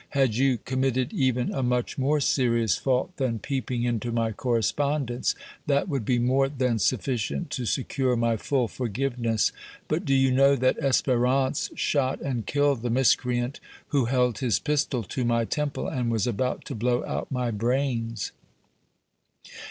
Had you committed even a much more serious fault than peeping into my correspondence, that would be more than sufficient to secure my full forgiveness. But do you know that Espérance shot and killed the miscreant who held his pistol to my temple and was about to blow out my brains?"